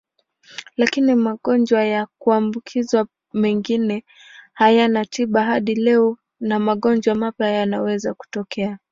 Lakini magonjwa ya kuambukizwa mengine hayana tiba hadi leo na magonjwa mapya yanaweza kutokea.